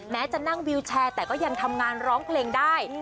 จะนั่งวิวแชร์แต่ก็ยังทำงานร้องเพลงได้